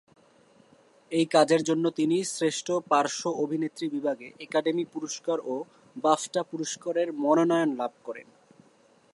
এই কাজের জন্য তিনি শ্রেষ্ঠ পার্শ্ব অভিনেত্রী বিভাগে একাডেমি পুরস্কার ও বাফটা পুরস্কারের মনোনয়ন লাভ করেন।